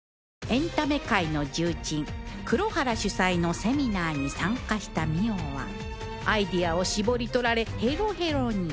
エンタメ界の重鎮黒原主催のセミナーに参加した澪はアイデアを搾り取られヘロヘロに